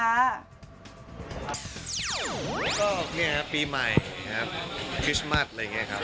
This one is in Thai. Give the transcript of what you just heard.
ก็เนี่ยปีใหม่ครับคริสต์มาทอะไรอย่างเงี้ยครับ